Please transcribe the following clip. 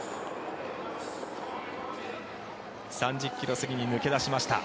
３０ｋｍ過ぎに抜け出しました。